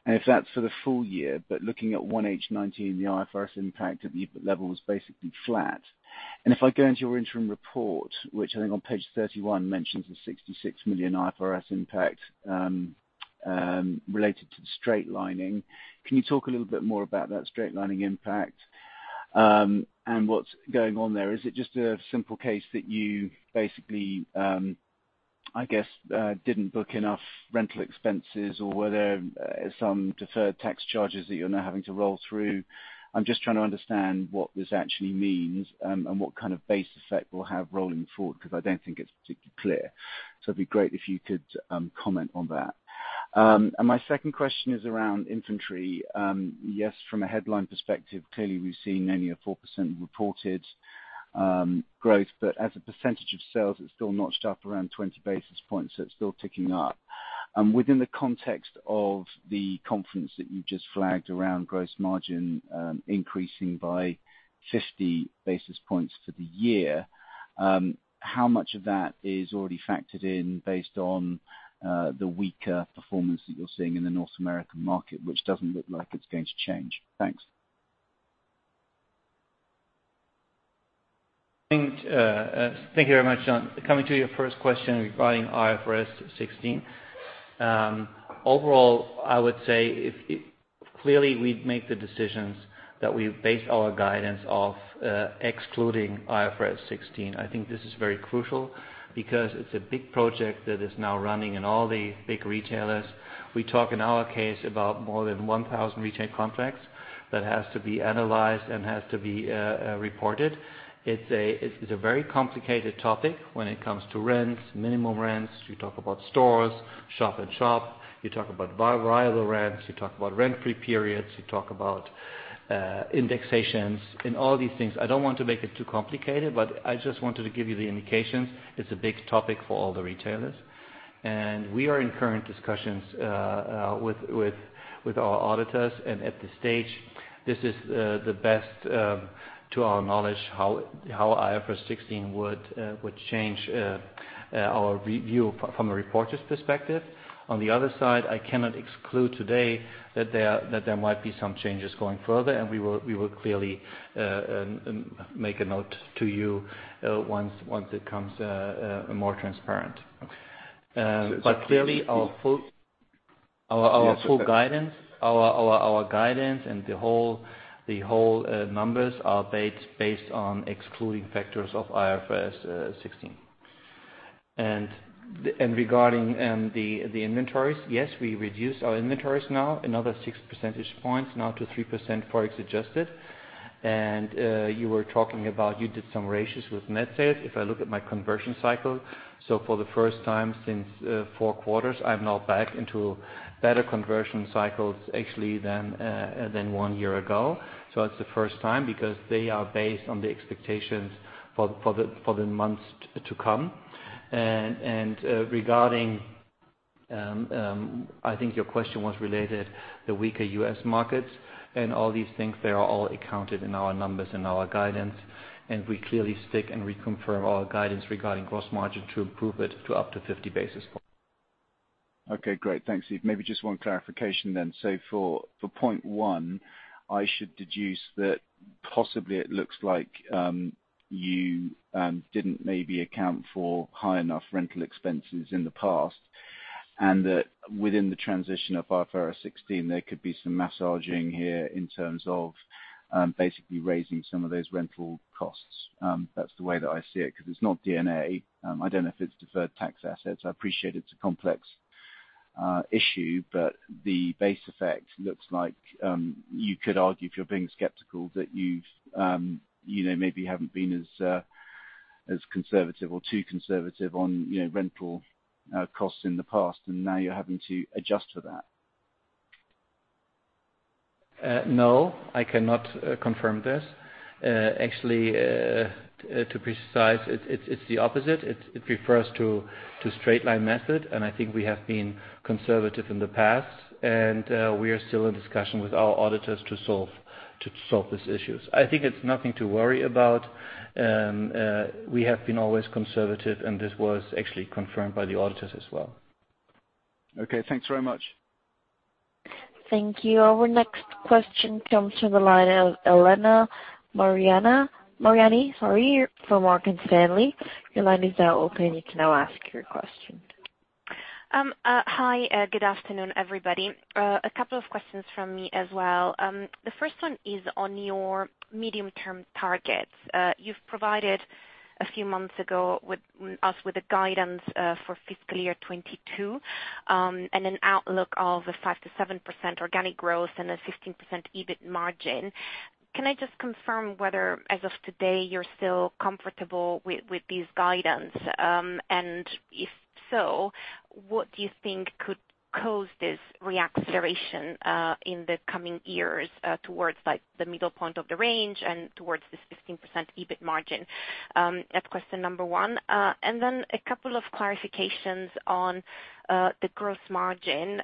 If that's for the full year, looking at 1H 2019, the IFRS impact at the EBIT level is basically flat. If I go into your interim report, which I think on page 31 mentions a 66 million IFRS impact related to the straight lining. Can you talk a little bit more about that straight lining impact, and what's going on there? Is it just a simple case that you basically, I guess, didn't book enough rental expenses? Were there some deferred tax charges that you're now having to roll through? I'm just trying to understand what this actually means and what kind of base effect it will have rolling forward, because I don't think it's particularly clear. It'd be great if you could comment on that. My second question is around inventory. Yes, from a headline perspective, clearly we've seen only a 4% reported growth. As a percentage of sales, it's still notched up around 20 basis points, so it's still ticking up. Within the context of the confidence that you just flagged around gross margin increasing by 50 basis points for the year, how much of that is already factored in based on the weaker performance that you're seeing in the North American market, which doesn't look like it's going to change? Thanks. Thank you very much, John. Coming to your first question regarding IFRS 16. Overall, I would say clearly we'd make the decisions that we base our guidance off excluding IFRS 16. I think this is very crucial because it's a big project that is now running in all the big retailers. We talk in our case about more than 1,000 retail contracts that has to be analyzed and has to be reported. It's a very complicated topic when it comes to rents, minimum rents. You talk about stores, shop in shop, you talk about variable rents, you talk about rent-free periods, you talk about indexations and all these things. I don't want to make it too complicated, but I just wanted to give you the indications. It's a big topic for all the retailers. We are in current discussions with our auditors. At this stage, this is the best, to our knowledge, how IFRS 16 would change our view from a reporter's perspective. On the other side, I cannot exclude today that there might be some changes going further, and we will clearly make a note to you once it comes more transparent. Yes our guidance and the whole numbers are based on excluding factors of IFRS 16. Regarding the inventories, yes, we reduced our inventories now another six percentage points, now to 3% FX adjusted. You were talking about, you did some ratios with net sales. If I look at my conversion cycle, for the first time since four quarters, I'm now back into better conversion cycles actually than one year ago. It's the first time, because they are based on the expectations for the months to come. Regarding, I think your question was related the weaker U.S. markets and all these things. They are all accounted in our numbers and our guidance, and we clearly stick and reconfirm our guidance regarding gross margin to improve it to up to 50 basis points. Okay, great. Thanks, Yves. Maybe just one clarification then. For point one, I should deduce that possibly it looks like you didn't maybe account for high enough rental expenses in the past, and that within the transition of IFRS 16, there could be some massaging here in terms of basically raising some of those rental costs. That's the way that I see it, because it's not D&A. I don't know if it's deferred tax assets. I appreciate it's a complex issue. The base effect looks like you could argue, if you're being skeptical, that you maybe haven't been as conservative or too conservative on rental costs in the past and now you're having to adjust for that. No, I cannot confirm this. Actually, to precise, it's the opposite. It refers to straight-line method, and I think we have been conservative in the past, and we are still in discussion with our auditors to solve these issues. I think it's nothing to worry about. We have been always conservative, and this was actually confirmed by the auditors as well. Okay, thanks very much. Thank you. Our next question comes from the line of Elena Mariani from Morgan Stanley. Your line is now open. You can now ask your question. Hi, good afternoon, everybody. A couple of questions from me as well. The first one is on your medium-term targets. You've provided, a few months ago, us with a guidance for fiscal year 2022, and an outlook of a 5%-7% organic growth and a 15% EBIT margin. Can I just confirm whether, as of today, you're still comfortable with this guidance? If so, what do you think could cause this re-acceleration in the coming years, towards the middle point of the range and towards this 15% EBIT margin? That's question number one. Then a couple of clarifications on the gross margin.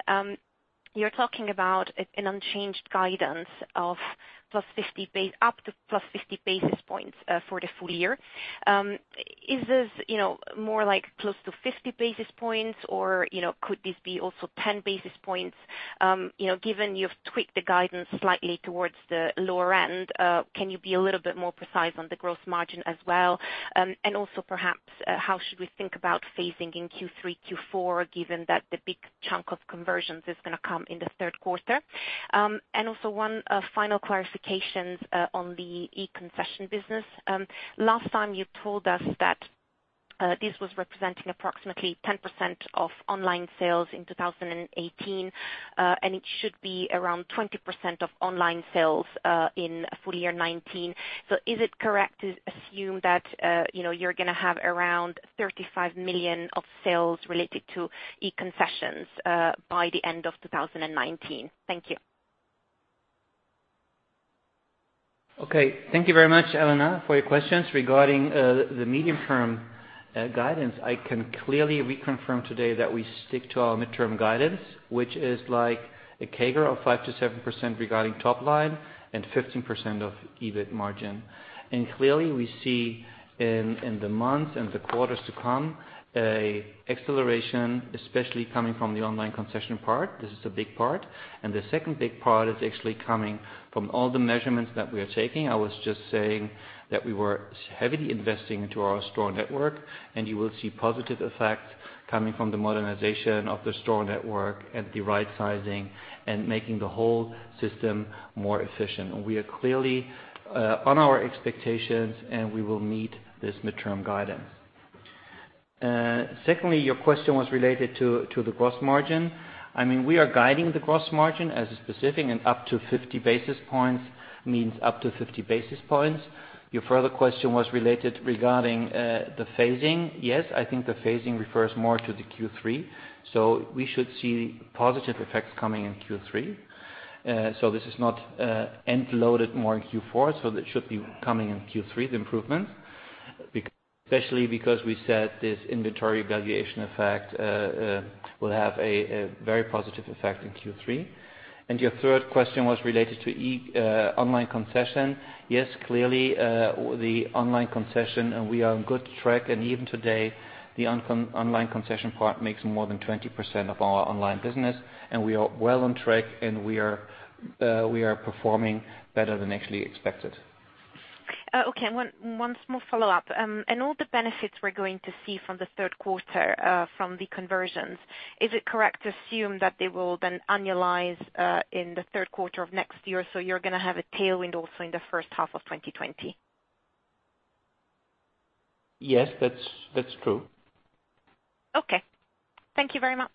You're talking about an unchanged guidance of up to plus 50 basis points for the full year. Is this more like plus to 50 basis points or could this be also 10 basis points? Given you've tweaked the guidance slightly towards the lower end, can you be a little bit more precise on the growth margin as well? Perhaps, how should we think about phasing in Q3, Q4, given that the big chunk of conversions is going to come in the third quarter? One final clarification on the e-concession business. Last time you told us that this was representing approximately 10% of online sales in 2018, and it should be around 20% of online sales, in full year 2019. Is it correct to assume that you're going to have around 35 million of sales related to e-concessions by the end of 2019? Thank you. Okay. Thank you very much, Elena, for your questions. Regarding the medium-term guidance, I can clearly reconfirm today that we stick to our midterm guidance, which is a CAGR of 5%-7% regarding top line and 15% of EBIT margin. Clearly we see in the months and the quarters to come, a acceleration, especially coming from the online concession part. This is a big part, the second big part is actually coming from all the measurements that we are taking. I was just saying that we were heavily investing into our store network, and you will see positive effects coming from the modernization of the store network and the right sizing and making the whole system more efficient. We are clearly on our expectations and we will meet this midterm guidance. Secondly, your question was related to the gross margin. We are guiding the gross margin as a specific and up to 50 basis points means up to 50 basis points. Your further question was related regarding the phasing. Yes, I think the phasing refers more to the Q3. We should see positive effects coming in Q3. This is not end loaded more in Q4. That should be coming in Q3, the improvement, especially because we said this inventory valuation effect will have a very positive effect in Q3. Your third question was related to online concession. Yes, clearly, the online concession. We are on good track. Even today, the online concession part makes more than 20% of our online business. We are well on track. We are performing better than actually expected. Okay. One small follow-up. In all the benefits we're going to see from the third quarter, from the conversions, is it correct to assume that they will then annualize in the third quarter of next year, so you're going to have a tailwind also in the first half of 2020? Yes, that's true. Okay. Thank you very much.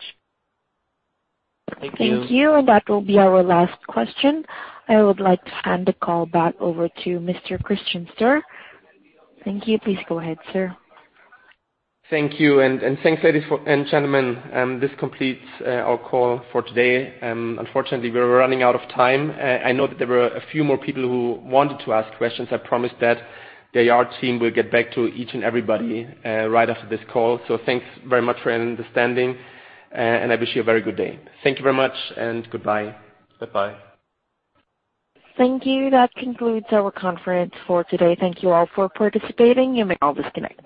Thank you. Thank you. That will be our last question. I would like to hand the call back over to Mr. Christian Stoehr. Thank you. Please go ahead, sir. Thank you. Thanks, ladies and gentlemen. This completes our call for today. Unfortunately, we're running out of time. I know that there were a few more people who wanted to ask questions. I promise that the IR team will get back to each and everybody right after this call. Thanks very much for your understanding, and I wish you a very good day. Thank you very much and goodbye. Bye-bye. Thank you. That concludes our conference for today. Thank you all for participating. You may all disconnect.